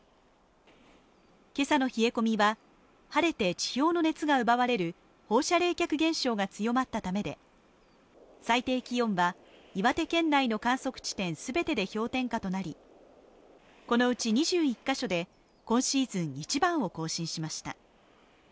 今朝の冷え込みは晴れて地表の熱が奪われる放射冷却現象が強まったためで最低気温は岩手県内の観測地点すべてで氷点下となりこのうち２１か所で今シーズン一番を更新しました